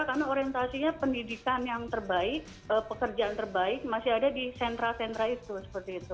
karena orientasinya pendidikan yang terbaik pekerjaan terbaik masih ada di sentra sentra itu seperti itu